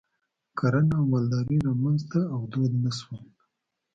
کرنه او مالداري رامنځته او دود نه شول.